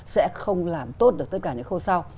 sẽ không làm tốt được tất cả những khâu sau